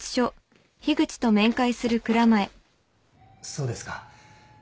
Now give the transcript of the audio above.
そうですか。